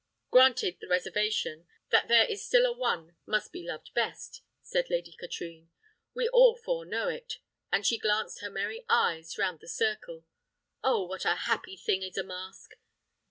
"Granted the reservation, that there is still a one must be loved best," said Lady Katrine; "we all four know it," and she glanced her merry eyes round the circle. "Oh, what a happy thing is a mask!